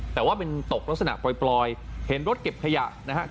แต่ว่าเป็นตกลักษณะปล่อยเห็นรถเก็บขยะนะครับ